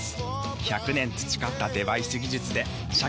１００年培ったデバイス技術で社会に幸せを作ります。